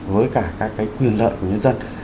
với cả các cái quyền lợi của nhân dân